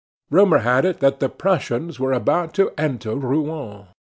Rumor had it that the Prussians were about to enter Rouen.